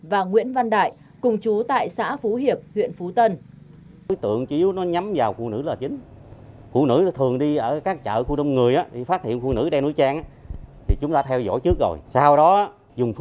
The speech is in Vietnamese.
và nguyễn văn đại cùng chú tại xã phú hiệp huyện phú tân